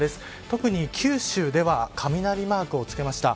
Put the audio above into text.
特に九州では雷マークをつけました。